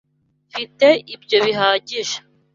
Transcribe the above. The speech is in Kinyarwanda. Mfite ibyo bihagije.